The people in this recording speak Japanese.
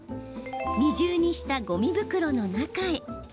２重にした、ごみ袋の中へ。